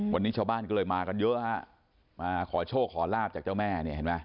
วันนี้ชาวบ้านก็เลยมากันเยอะขอโชคขอลาบจากเจ้าแม่